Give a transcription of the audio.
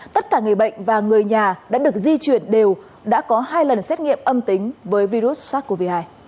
tất cả người bệnh và người nhà đã được di chuyển đều đã có hai lần xét nghiệm âm tính với virus sars cov hai